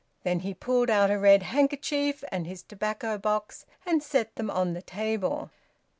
Then he pulled out a red handkerchief and his tobacco box, and set them on the table.